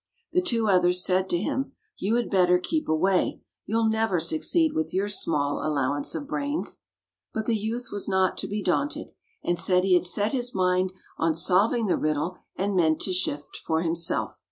The two others said to him: "You had better keep away. You 'll never succeed with your small allowance of brains." But the youth was not to be daunted, and said he had set his mind on solving the riddle and meant to shift for himself.